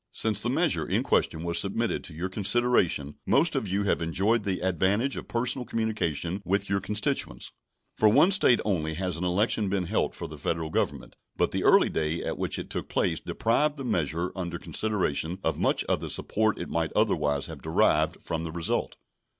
Since the measure in question was submitted to your consideration most of you have enjoyed the advantage of personal communication with your constituents. For one State only has an election been held for the Federal Government; but the early day at which it took place deprived the measure under consideration of much of the support it might otherwise have derived from the result.